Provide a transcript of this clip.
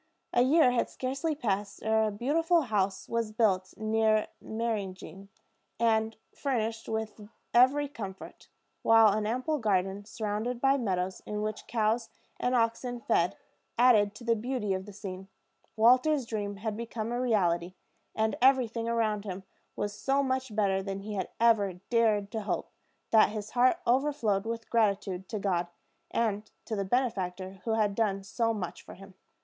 A year had scarcely passed ere a beautiful house was built near Meyringen, and furnished with every comfort; while an ample garden, surrounded by meadows, in which cows and oxen fed, added to the beauty of the scene. Walter's dream had become a reality; and everything around him was so much better than he had ever dared to hope, that his heart overflowed with gratitude to God, and to the benefactor who had done so much for him.